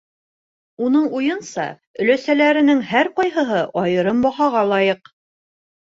Уның уйынса, өләсәләренең һәр ҡайһыһы айырым баһаға лайыҡ.